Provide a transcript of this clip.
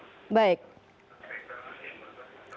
pk yang bersangkutan